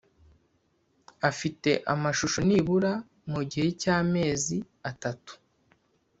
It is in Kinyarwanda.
afite amashusho nibura mu igihe cy’ amezi atatu